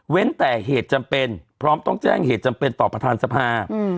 แต่เหตุจำเป็นพร้อมต้องแจ้งเหตุจำเป็นต่อประธานสภา